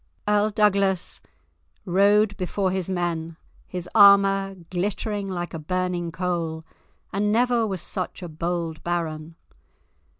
Earl Douglas rode before his men, his armour glittering like a burning coal, and never was such a bold baron.